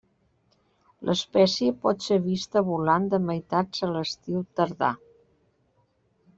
L'espècie pot ser vista volant de meitats a l'estiu tardà.